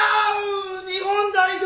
日本代表！